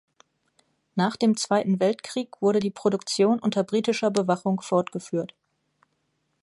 Nach dem Zweiten Weltkrieg wurde die Produktion unter britischer Bewachung fortgeführt.